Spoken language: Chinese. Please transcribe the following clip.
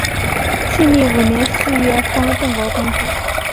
庆历五年四月封邓国公主。